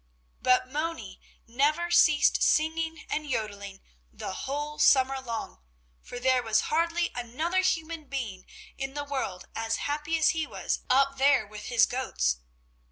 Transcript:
But Moni never ceased singing and yodeling, the whole summer long, for there was hardly another human being in the world as happy as he was up there with his goats.